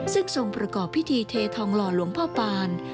ซึ่งทรงประกอบพิธีเททองหล่อหลวงพ่อปาน